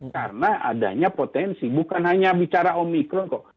karena adanya potensi bukan hanya bicara omikron kok